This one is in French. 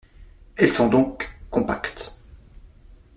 Elles sont donc compactes.